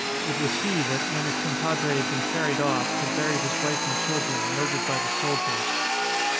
It was he that, when his compadre had been carried off, had buried his wife and children, murdered by the soldiers.